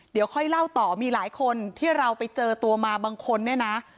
เดี๋ยวค่อยเล่าต่อมีหลายคนที่เราไปเจอตัวมาบางคนเนี่ยนะ